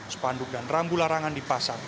sepanduk dan rambu larangan dipasang